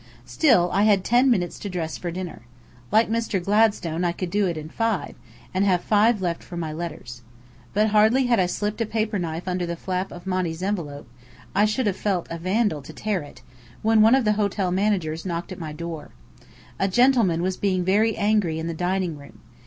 Still, I had ten minutes to dress for dinner. Like Mr. Gladstone, I could do it in five, and have five left for my letters. But hardly had I slipped a paper knife under the flap of Monny's envelope (I should have felt a vandal to tear it) when one of the hotel managers knocked at my door. A gentleman was being very angry in the dining room.